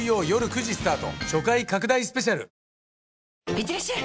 いってらっしゃい！